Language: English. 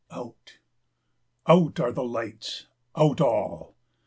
Out—out are the lights—out all!